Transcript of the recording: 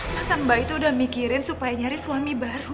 masa mbak itu udah mikirin supaya nyari suami baru